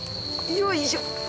よいしょ。